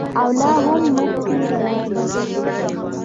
او لا هم مخکې روان دی.